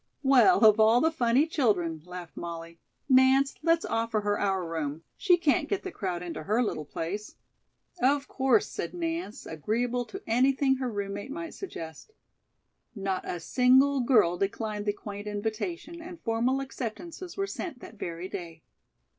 "Well, of all the funny children," laughed Molly. "Nance, let's offer her our room. She can't get the crowd into her little place." "Of course," said Nance, agreeable to anything her roommate might suggest. Not a single girl declined the quaint invitation and formal acceptances were sent that very day.